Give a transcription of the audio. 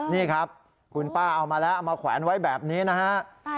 นี่ครับคุณป้าเอามาแล้วเอามาแขวนไว้แบบนี้นะฮะ